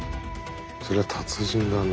そりゃ達人だな。